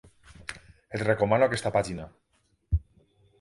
Et recomano aquesta pàgina.